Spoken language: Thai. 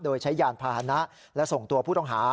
โดยใช้ยานพาหนะและส่งตัวผู้ต้องหา